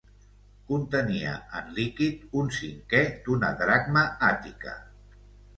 Contenia en líquid un cinquè d'una dracma àtica.